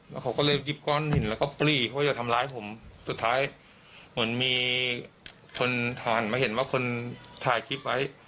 แล้วเขาก็เลยหยิบก้อนหินแล้วก็ปลีเขาจะทำร้ายผมสุดท้ายเหมือนมีคนผ่านมาเห็นว่าคนถ่ายคลิปไว้